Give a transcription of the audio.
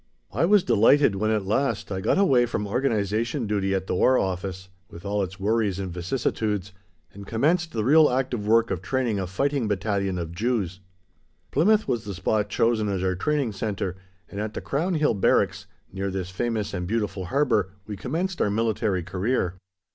I was delighted when, at last, I got away from organization duty at the War Office, with all its worries and vicissitudes, and commenced the real active work of training a fighting Battalion of Jews. Plymouth was the spot chosen as our training centre, and at the Crown Hill Barracks, near this famous and beautiful harbour, we commenced our military career.